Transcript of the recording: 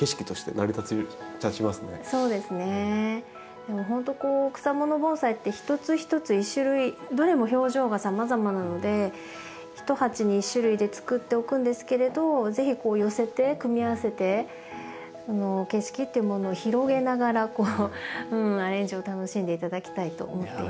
でもほんとこう草もの盆栽ってひとつひとつ一種類どれも表情がさまざまなので一鉢に一種類でつくっておくんですけれど是非こう寄せて組み合わせて景色っていうものを広げながらアレンジを楽しんで頂きたいと思っています。